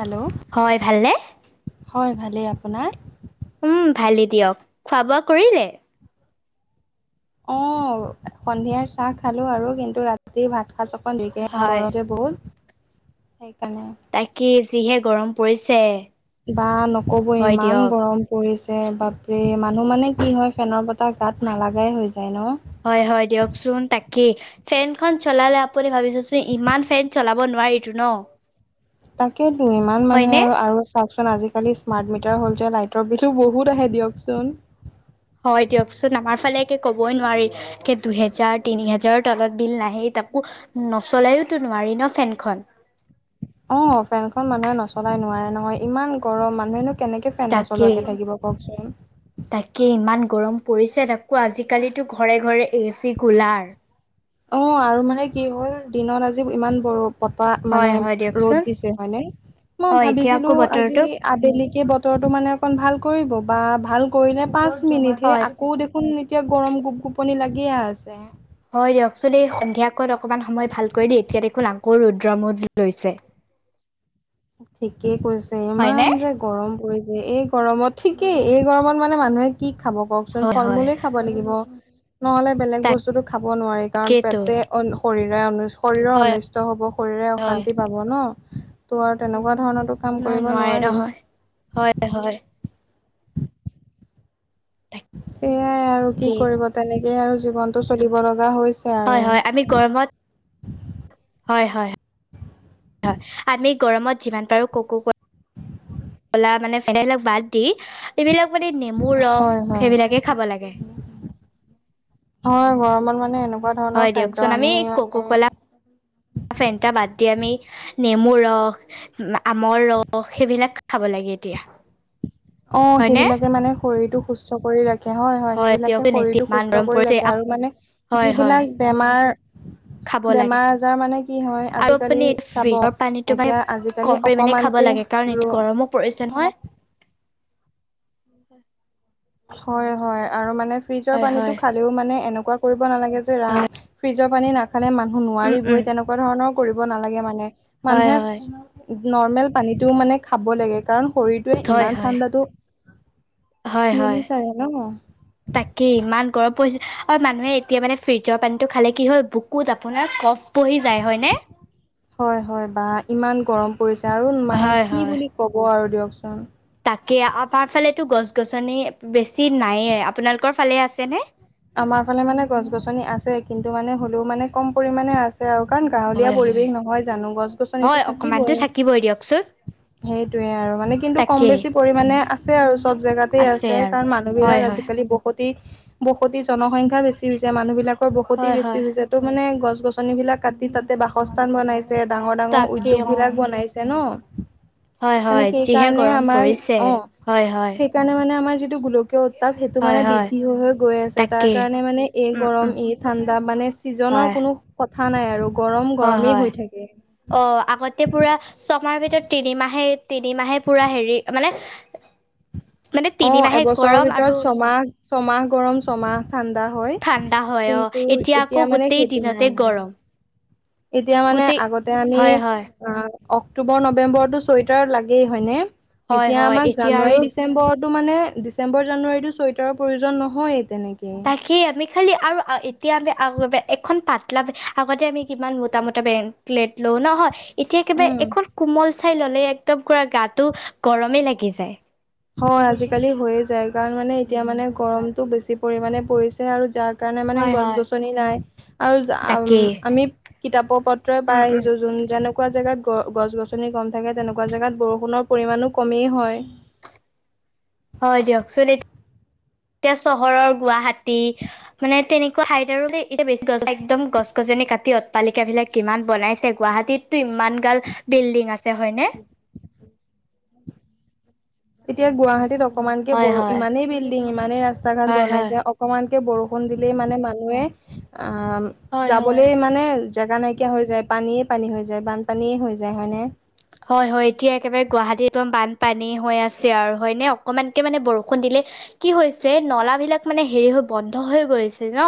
Hello. হয় ভালনে? হয় ভালেই, আপোনাৰ। উম ভালেই দিয়ক, খোৱা বোৱা কৰিলে। অহ, সন্ধিয়াৰ চাহ খালোঁ আৰু কিন্তু ৰাতিৰ ভাত ভাত অকণ দেৰিকৈহে খাঁও, হয়। গৰম যে বহুত সেইকাৰণে। তাকে যিহে গৰম পৰিছে। বাহ নক'বই হয় ইমান দিয়ক। গৰম পৰিছে বাপৰে, মানুহ মানে কি হয় ফেনৰ বতাহ গাত নালাগাই হৈ যায় ন। হয়, হয় দিয়কচোন তাকেই। ফেনখন চলালে আপুনি ভাবিনচোন, ইমান ফেন চলাব নোৱাৰিটো ন। তাকেইটো ইমান মানুহে হয়নে? আৰু, আৰু চাওকচোন আজিকালি স্মাৰ্ট মিটাৰ হ'ল যে লাইটৰ বিলো বহুত আহে দিয়কচোন। হয় দিয়কচোন, আমাৰ ফালে একে ক'বই নোৱাৰি একে দুহেজাৰ তিনি হেজাৰৰ তলত বিল নাহেই তাকো নচলাওটো নোৱাৰি ন ফেনখন। অ', ফেনখন মানুহে নচলাই নোৱাৰে নহয়, ইমান গৰম মানুহেনো কেনেকে ফেন তাকেই নচলুৱাকে থাকিব কওকচোন। তাকে ইমান গৰম পৰিছে, তাকো আজিকালি ঘৰে, ঘৰে এচি, কুলাৰ। অ', আৰু মানে কি হ'ল দিনত আজি ইমান বৰফ বতাহ মানে হয় হয় ৰ'দ দিয়কচোন। দিছে হয়নে, মই হয় এতিয়া আকৌ ভাবিছিলোঁ বতৰটো আজি আবেলিকে বতৰটো মানে অকন ভাল কৰিব বা ভাল কৰিলে, পাঁচ মিনিট হে হয় আকৌ দেখো খোন এতিয়া গৰম গোপ-গোপনি লাগিয়ে আছে। হয় দিয়কচোন, এই সন্ধিয়াকণ অকণমান সময় ভাল কৰি দেই, এতিয়া দেখোন আকৌ ৰুদ্ৰমূদ লৈছে। ঠিকেই কৈছে, হয়নে? ইমান যে গৰম পৰিছে, এই গৰমত ঠিকেই এই গৰমত মানে মানুহে কি খাব কওকচোন, হয় হয় ফল-মূলে খাব লাগিব, নহ'লে বেলেগ বস্তুটো খাব নোৱাৰি কাৰণ তাকেইতো পেটে অন্য শৰীৰে শৰীৰৰ হয় অনিষ্ট হ'ব, শৰীৰে হয় অশান্তি পাব ন, তো আৰু তেনেকুৱা ধৰণৰটো কাম নাই কৰিব নোৱাৰে নোৱাৰি নহয় হয়, হয়। সেইয়াই আৰু কি তাকেই কৰিব তেনেকেই আৰু জীৱনটো চলিব লগা হৈছে। আৰু হয়, হয় আমি গৰমত হয়, হয়, হয়। আমি গৰমত যিমান পাৰো ক'ক' ক কলা মানে [unintelligible] বিলাক বাদ দি, এইবিলাক মানে নেমুৰ ৰস হয় হয় সেইবিলাকে খাব লাগে। হয় গৰমত মানে এনেকুৱা ধৰণৰ হয় খাদ্য দিয়কচোন আমি কক' কলা মানে ফেণ্টা বাদ্ দি আমি নেমুৰস আমৰ ৰস সেইবিলাক খাব লাগে এতিয়া অ হয়নে? সেইবিলাকে মানে শৰীৰটো সুস্থ কৰি ৰাখ হয় হয় সেইবিলাকে দিয়ক এতিয়া শৰীৰটো ইমান সুস্থ গৰম কৰি পৰিছে ৰাখে আৰু মানে হয় হয় যিবিলাক বেমাৰ খাব [inaudible] লাগে বেমাৰ আজাৰ মানে কি হয় আৰু আজিকালি আপুনি এইটো চাব ফ্ৰিজৰ পানীটো মানে এতিয়া আজিকালি কম পৰিমাণে খাব অকমানকে লাগে কাৰণ ৰ এইটো গৰমো পৰিছে নহয় হয় হয় আৰু মানে ফ্ৰিজৰ হয় পানীটো হয় খালেও মানে এনেকুৱা কৰিব নালাগে যে ৰাম ফ্ৰি জৰ পানী নাখালে মানুহ উম উম নোৱাৰিবই তেনেকুৱা ধৰণৰ কৰিব নালাগে মানে। হয় মানুহে হয় নৰ্মেল পানীতটোও মানে খাব লাগে কাৰণ শৰীৰটোৱে হয় ইমান হয় ঠাণ্ডাটো হয় হয়। ন তাকে ইমান গৰম পৰিছে আৰু মানুহে এতিয়া মানে ফ্ৰিজৰ পানীটো খালে কি হয় বুকুত আপোনাৰ কফ বহি যায় হয়নে হয় হয় বা ইমান গৰম পৰিছে আৰু মানে হয় কি হয় বুলি ক'ব আৰু দিয়কচোন। তাকে আমাৰ ফালেতো গছ-গছনি বেছি নায়েই। আপোনালোকৰ ফালে আছেনে? আমাৰ ফালে মানে গছ-গছনি আছে কিন্তু মানে হ'লেও মানে কম পৰিমাণে আছ ছে আৰু কাৰণ গাঁৱলীয়া হয় হয় পৰিৱেশ নহয় জানো, হয় গছ-গছনিতো অকমানতো থাকিবই। দিয়কচোন সেইটোয়ে আৰু মানে কিন্তু কম তাকেই বেছি পৰিমণে আছে আৰু চব জেগাতে আছে, আৰু কাৰণ মানুহ হয় বিলাক হয় আজিকালি বহুত সতি, বসতি জনসংখ্যা, বেছি হৈছে মানুহ বিলাকৰ বসতি হয় বেছি হয় হৈছে ত' মানে গছ-গছনি বিলাক কাটি তাতে বাসস্থান বনাই ছে ডাঙৰ ডাঙৰ তাকে উদ্যোগ অ বিলাক বনাইছে ন হয় মানে হয় যিহে সেইকাৰণে গৰম আমাৰ পৰিছে অ হয় হয় সেইকাৰণে মানে আমাৰ যিটো গোলকীয় উত্তাপ, সেইটো হয় মানে হয় বৃদ্ধি হৈ হৈ গৈ আছ তাৰ তাকেই কাৰণে মানে এই উম গৰম, উম এই ঠাণ্ডা মানে ছিজনৰ হয় কোনো কথা নাই আৰু গৰম হয় গৰমেই হয় হৈ থাকে। অ আগতে পুৰা ছমাহৰ ভিতৰত তিনিমাহে তিনিমাহেই পুৰা হেৰি মানে [inaudible] মানে অ তিনিমাহে এবছৰৰ গৰম আৰু ভিতৰত ছমাহ, ছমাহ গৰম ছমাহ ঠাণ্ডা হয় ঠাণ্ডা হয় অ ত' আকৌ এতিয়া মানে গোটেই সেইটো দিনতে নাই নাই। গৰম এতিয়া মানে গোটেই আগতে আমি হয় অ হয় অক্টোবৰ নবেম্বৰটো ছুৱেটাৰ লাগেই হয় নে হয় এতিয়া হয় আমাক এতিয়া জানুৱাৰী, আৰু ডি ডিচেম্বৰৰতো মানে ডিচম্বৰ, জানুৱাৰীতো চুৱেটাৰৰ প্ৰয়োজন নহয়েই তেনেকে কি আমি খালি আৰু এতিয়া আমি আগতে এখন পাতলা, আগতে আমি কিমান মোটামুটা বে তেল লওঁ নহয় এতিয়া একেবাৰে উম। এখন কোমল চাই ল'লে একদমপুৰা গাটো গৰমেই লাগি যায়। হয় আজিকালি হৈয়ে যায়, কাৰণ মানে এতিয়া মানে গৰমটো বেছি পৰিমণে পৰিছে আৰু যাৰ কাৰণে মানে হয় হয়। গছ-গছনি নাই আৰু যা আম তাকেই। আমি কিতাপ উপত পত্ৰই পাই উম উম। আহিছোঁ যোন যেনক কুৱা জেগাত গ গছ গছনি কম থাকে, তেনেকুৱা জেগাত বৰষুণৰ পৰিমাণো কমেই হয়। হয় দিয়কচোন এতিয়া চহৰৰ গুৱাহাটী মানে তেনেকুৱা হাইতৰলে এতিয়া একদম গছ-গছনি কাটি অট্টালিকা বিলাক কিমান বনাইছে। গুৱাহাটীতটো ইমান গাল বিল্ডিং আছে হয়নে [inaudible] এতিয়া গুৱাহাটীত অকমানকে হয় ব'ৰ হয় ইমানেই বিল্ডিং, ইমানেই ৰাস্তা ঘাট হয় হয় বনাইছে অ অকণমানকে বৰষুণ দিলেই মানে মানুহে আহ হয় হয়। যাবলে মানে- যেগা নাইকিয়া হৈ যায় পানীয়ে পানী হৈ যায় বানপানীয়ে হৈ যায় হয়নে। হয় হয় এতিয়া একেবাৰে গুৱাহাটীত একদমান বানপানী হৈ আছে আৰু হয়নে অকমানকৈ মানে বৰষুণ দিলে- কি হৈছে নলা বিলাক মানে হেৰি হৈ বন্ধ হৈ গৈছে ন।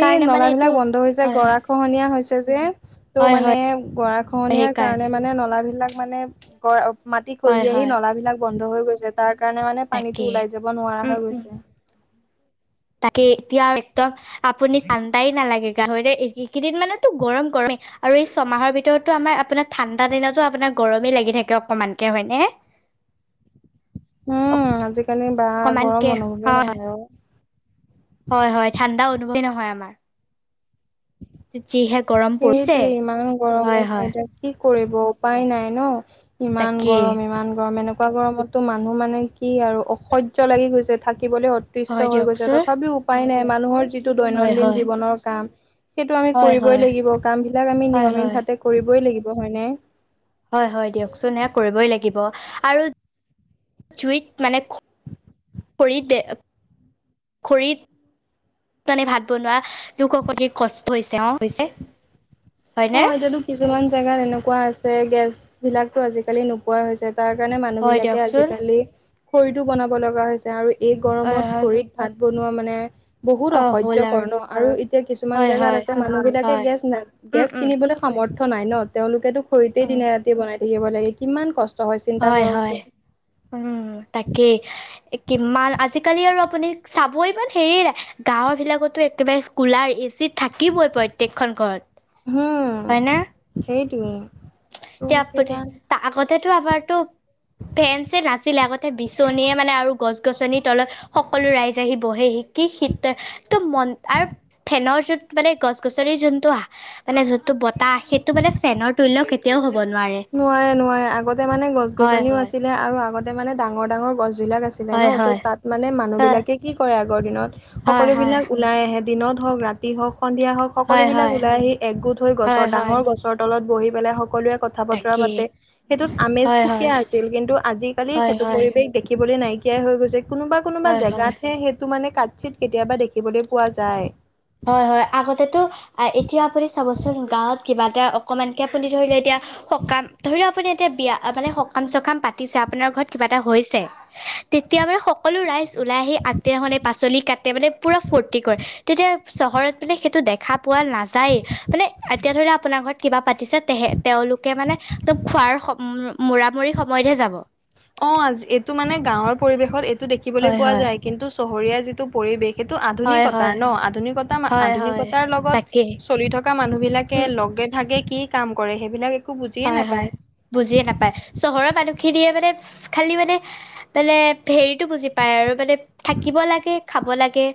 এই মানে এইটো নলাবিলাক বন্ধ হৈছে হয় হয় গৰা- খহনীয়া হৈছে যে ত' হয় মানে হয় গৰা খহনীয়াৰ সেইকাৰণে কাৰণে মানে নলা বিলাক মানে- মাটি হয় খহি আহি হয় নলা বিলাক বন্ধ হৈ গৈছে- তাৰ কাৰণে মানে তাকে পানীটো ওলাই যাব নোৱাৰা উম হৈ উম গৈছে। তাকে এতিয়া একদম আপুনি ঠাণ্ডাই নালাগে গা ধৰিল এই এইকেইদিন মানো গৰম গৰমেই- আৰু এই ছমাহৰ ভিতৰতটো আমাৰ আপোনাৰ ঠাণ্ডা দিনতো আপোনাৰ গৰমেই লাগি থাকে অকনমানকে হয়নে। উম আজিকালি বা অকমানকে গৰম অনুভৱেই হয় হয় নহয় আৰু। হয় হয় ঠাণ্ডা অনুভৱেই নহয় আমাৰ। [inaudible] যিহে গৰম। পৰিছে সেইটোৱে ইমান গৰম হয় হৈছে হয় এতিয়া- কি কৰিব উপায় নাই ন ইমান তাকেই গৰম ইমান গৰম এনেকুৱা গৰমত- ত' মানুহ মানে কি আৰু অসহ্য লাগি গৈছে থাকিবলৈ হয় অতিষ্ট হৈ গৈছে দিয়কচোন তথাপিও- উপায় নাই মানুহৰ যিটো হয় দৈনন্দিন হয় জীৱনৰ কাম, সেইটো আমি হয় কৰিবই হয় লাগি ব কাম বিলাক আমি হয় নিয়মিত হয় ভাৱে কৰিবই লাগিব হয়নে। হয় হয় দিয়কচোন সেয়া কৰিবই লাগিব আৰু, জুইত মানে- খৰিতে, খৰিত- মানে ভাত বনোৱা লোক সকলৰ কষ্ট হৈছে অ', হৈছে। হয়নে অ', এতিয়াতো কিছুমান জেগাত এনেকুৱা আছে গেছ বিলাকো আজিকালি নোপোৱা হৈছে। তাৰ কাৰণে মানুহ হয় বিলাকে দিয়কচোন আজিকালি, খৰিতটো বনাব লগা হৈছে আৰু- এই হয় গৰমত হয় খৰিত ভাত বনোৱা মানে- বহুত অ হ'ল অসহ্যকৰ ন আৰু এতিয়া কিছুমান হয় জেগাত হয় আছে মানুহ বিলাকে হয় গেছ নাই- উম গেছ উম কিনিবলৈ সামৰ্থ নাই ন তেওঁলোকেতো খৰিতেই উম দিনে ৰাতিয় বনাই থাকিব লাগে কিমান কষ্ট। চিন্তা হয় হয়, কৰকচোন উম, তাকেই। কিমান আজিকালি আৰু আপুনি চাব ইমান হেৰি নাই গাঁৱৰ বিলাকতো একেবাৰে- কুলাৰ এ চি থাকিবই প্ৰত্যেকখন ঘৰত, হম হয় ন'! সেইটোৱে। এতিয়া ত' আপুনি সেইয়া আগতেতো আমাৰতো- ফেন চেন নাছিলে আগতে বিচনীয়ে মানে আৰু- গছ গছনিৰ তলত সকলো ৰাইজ আহি বহে শিকি শ ত মন আৰু- ফেনৰ যোনত মানে গছ গছনি যোনতটো আহ মানে যোনটো বতাহ সেইটো মানে ফেনৰ- তুল্য কেতিয়াও হ'ব নোৱাৰে। নোৱাৰে নোৱাৰে আগতে মানে গছ হয় গছনিও হয় আছিলে আৰু আগতে মানে ডাঙৰ ডাঙৰ গছ বিলাক আছিলে। ন হয় ত হয় তাত মানে মানুহ হয় বিলাকে কি কৰে আগৰ দিনত সকলো হয় বিলাক- ওলাই আহে দিনত হওক ৰাতি হওক সন্ধিয়া হওক হয় সকলোবিলাক হয় ওলাই আহি একগোট হৈ গছৰ হয় হয় ডাঙৰ গছৰ- তলত বহি পেলাই সকলোৱে ক কথা বতৰা তাকেই পাতে সেইটোত আমেজ হয় হয় সুকীয়া আছিল কিন্তু আজিকালি হয় সেইটো হয় পৰিৱেশ দেখিবলৈ নাই- কিয়াই হৈ গৈছে কোনোবা কোনোবা হয় হয় জেগাতহে সেইটো মানে কাট চিত কেতিয়াবা দেখিবলৈ পোৱা যায়। হয় হয় আগতেটো এতিয়া আপুনি চাবচোন গাঁৱত কিবা এটা অকণমানকে আপুনি ধৰি লও এতিয়া- সকাম ধৰি লও আপুনি এতিয়া বিয়া মানে সকাম চকাম পাতিছে আপোনাৰ ঘৰত কিবা এটা হৈছে। তেতিয়া বাৰ সকলো ৰাইজ ওলাই আহি আদিনাখনে পাচলি কাটে মানে পুৰা ফুৰ্তি কৰে তেতিয়া- চহৰত মানে সেইটো দেখা পোৱা নাযায়। মানে এতিয়া ধৰি ল আপোনাৰ ঘৰত কিবা পাতিছে তেহে তেওঁলোকে মানে ত খোৱাৰ মুৰা মৰি সময়তহে যাব। অ', আজ এইটো মানে গাঁৱৰ পৰিৱেশত এইটো দেখিবলৈ হয় পোৱা হয় যায়, কিন্তু চহৰীয়া যিটো পৰিৱেশ সেইটো হয় আধুনিকতা হয় ন, আধুনিকতা হয় হয় আধুনিকতাৰ তাকেই লগত চলি থকা মানুহ বিলাকে উম লগে ভাগে কি কাম কৰে সেইবিলাক একো বুজিয়ে হয় হয় নাপায়। বুজিয়ে নাপায়। চহৰৰ মানুহখিনিয়ে মানে খালি মানে মানে হেৰিতটো বুজি পায় আৰু, মানে থাকিব লাগে, খাব লাগে,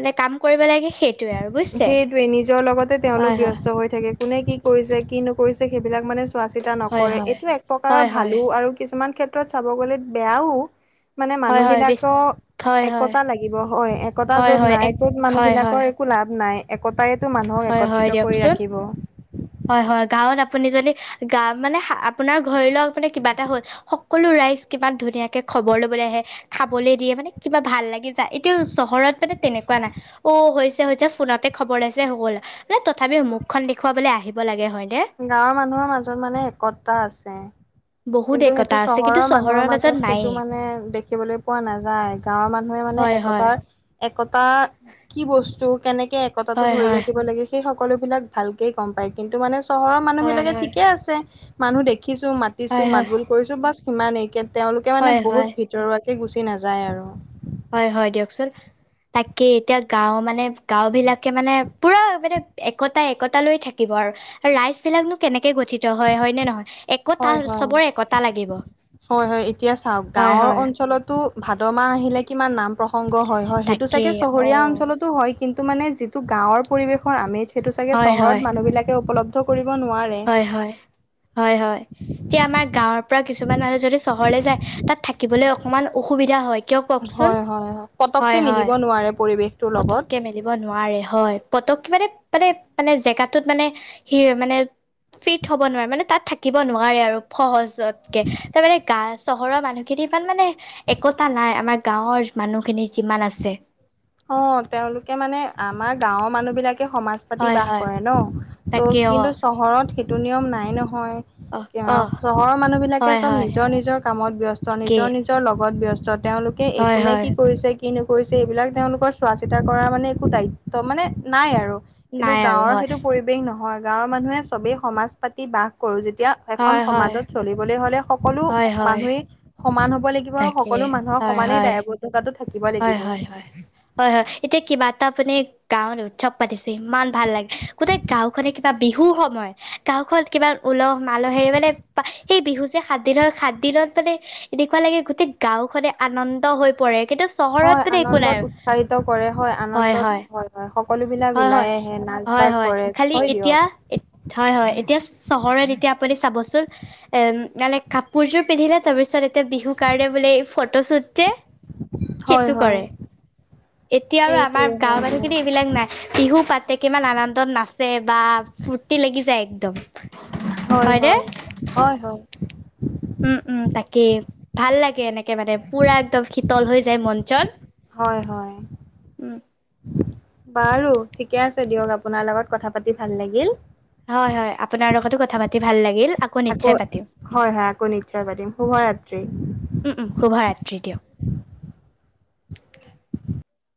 মানে কাম কৰিব লাগে, সেইটোয়ে আৰু। বুজিছে সেইটোৱে নিজৰ লগতে তেওঁলোক হয় হয় ব্যস্ত হৈ থাকে। কোনে কি কৰিছে, কি নকৰিছে, সেইবিলাক মানে চোৱাচিত তা হয় নকৰে। হয় এইটো এক প্ৰকাৰৰ হয় হয় ভালো, আৰু কিছুমান ক্ষেত্ৰত চাব গলে বেয়াও। মানে হয় মানুহ হয় বেছ বিলাকৰ হয় হয় একতা লাগিব। হয়, একতা হয় য'ত হয় নাই এক ত'ত মানুহ হয় হয় বিলাকৰ একো লাভ নাই, একতায়েতো মানুহৰ হয় হয় একত্ৰিত কৰি দিয়কচোন ৰাখিব। হয় হয়। গাঁৱত আপুনি যদি গা মানে আপোনাৰ ধৰি লওক মানে কিবা এটা হ'ল, সকলো ৰাইজ কিমান ধুনীয়াকে খবৰ ল'বলৈ আহে, খাবলৈ দিয়ে, মানে কিবা ভাল লাগি এইটো চহৰত মানে তেনেকুৱা নাই। অ হৈছে হৈছে ফোনতে খবৰ লইছে সকলোৱে। মানে তথাপি মুখখন দেখুৱাবলৈ আহিব লাগে হয় নে? গাঁৱৰ মানুহৰ মাজত মানে একতা আছে। বহুত কিন্তু একতা সেইটো আছে কিন্তু চহৰৰ মানুহৰ মাজত নায়েই সেইটো মানে দেখিবলৈ পোৱা নাযায়। গাঁৱৰ মানুহে মানে এ হয় হয় একতাৰ, একতা কি বস্তু, কেনেকে একতাটো হয় ধৰি হয় ৰাখিব লাগে, সেই সকলো বিলাক ভালকে গম পায়, কিন্তু মানে চহৰৰ মানুহ হয় বিলাকে হয় ঠিকে আছে। মানুহ দেখিছো, মাতিছো, হয় মাত হয় বোল কৰিছো, বাচ সিমানেই। কে তেওঁলোকে হয় মানে হয় বহুত হয় ভ যোৰোৱাকে গুচি নাযায় আৰু। হয় হয় দিয়কচোন। তাকেই, এতিয়া গাঁও মানে গাঁও বিলাকে মানে পুৰা মানে একতাই একতা লৈ থাকিব আৰু। ৰাইজ বিলাকনো কেনেকে গঠিত হয় হয় নে নহয়? এ হয় হয়। হয় হয়। এতিয়া চাওক হয় গাঁৱৰ হয় অঞ্চলত টো ভাদ মাহ আহিলে কিমান নাম প্ৰসংগ হয় হয়, সেইটো তাকে চাগে অ চহৰীয়া অঞ্চলত হয় কিন্তু মানে যিটো গাঁৱৰ পৰিবেশৰ আমেজ সেইটো চাগে হয় চহৰত হয় মানুহ বিলাকে উপলব ত কৰিব নোৱাৰে হয়, হয় হয়। এতিয়া আমাৰ গাঁৱৰ পৰা কিছুমান মানুহ যদি চহৰলৈ যায়, তাত থাকিবলৈ অকমান অসুবিধা হয়। কিয় কওকচোন হয় হয় হয়। পটককে হয় মিলিব নোৱাৰে পৰিৱেশটোৰ লগত। দিব নোৱাৰে হয়। পতককে মানে মানে মানে জেগাটোত মানে সি মানে, ফিট হ'ব নোৱাৰে, মানে তাত থাকিব নোৱাৰে আৰু সহজতকে। তাৰমানে গা চহৰৰ মানুহখিনি ইমান মানে একতা নাই আমাৰ গাঁৱৰ মানুহখিনি যিমান আছে। অ তেওঁলোকে মানে আমাৰ গাঁওৰ মানুহ বিলাকে সমাজ পাতি হয় বাস হয় কৰে ন। তাকে ত' অ কিন্তু চহৰত সেইটো নিয়ম নাই নহয়। অ কি অ আও, চহৰৰ মানুহ বিলাকে হয় চব হয় নিজৰ নিজৰ কামত ব্যস্ত, তাকে নিজৰ নিজৰ ত লগত ব্যস্ত। তেওঁলোকে এ হয় কোনে হয় কি কৰিছে, কি নকৰিছে সেইবিলাক, তেওঁলোকৰ চোৱা চিতা কৰা মানে একো দায়িত্ব মানে নাই আৰু। কিন্তু নাই আৰু গাঁৱৰ হয় সেইটো পৰি ৱেশ নহয়। গাঁৱৰ মানুহে চবেই সমাজ পাতি বাস কৰো, যেতিয়া এখন হয় হয় সমাজত চলিবলৈ হ'লে, সকলো হয় হয় মানুহেই সমান হ'ব লাগিব, আৰু তাকে সকলো মানুহৰ হয় সমানেই হয় দায়বদ্ধতাটো থাকিব ল হয় হয় হয়, হয় হয়, এতিয়া কিবা এটা আপুনি গাঁৱত উৎসৱ পাতিছে, ইমান ভাল লাগে। গোটেই গাওখনে কিবা বিহুৰ সময়। গাঁওখন কিমান উলহ মালহেৰে মানে সেই বিহু যে সাত দিন সাতদিনত মানে এনেকুৱা লাগে গোটেই গাঁও খনে আনন্দ হৈ পৰে। কিন্তু চহৰত হয় মানে একো নাই আনন্দত আৰু উৎসাহিত কৰে হয়। আনন্দত হয়। হয় সকলো বিলাক হয় হয় ওলাই আহে নাচ হয় বাগ হয় কৰে। খালি হয় দিয়ক। এতিয়া হয় হয় এতিয়া চহৰত এতিয়া আপুনি চাবচোন। এ মানে কাপোৰযোৰ পিন্ধিলে তাৰ পিছত এতিয়া বিহু কাৰণে বোলে ফটোশ্বুট যে, হয় সেইটো হয় কৰে। এতিয়া আৰু সেইটোৱে আমাৰ হয় গাঁও দিয়ক মানুহখিনি এইবিলাক নাই। বিহু পাতে কিমান আনন্দত নাচে বা ফূৰ্তি লাগি যায় একদম। হয় হয়নে হয়। হয় হয়। উম উম তাকে। ভাল লাগে এনেকে মানে পুৰা একদম শীতল হৈ যায় মন চন। হয় হয়। উম বাৰু ঠিকে আছে দিয়ক আপোনাৰ লগত কথা পাতি ভাল লাগিল। হয় হয়, আপোনাৰ লগতো কথা পাতি ভাল লাগিল। আকৌ নিশ্চয় পাতিম হয় হয় আকৌ নিশ্চয় পাতিম শুভৰাত্ৰি। উম উম, শুভৰাত্ৰি দিয়ক।